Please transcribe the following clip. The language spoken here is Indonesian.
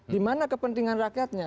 dimana kepentingan rakyatnya